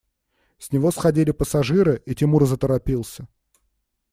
С него сходили пассажиры, и Тимур заторопился.